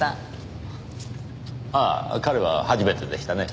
ああ彼は初めてでしたね。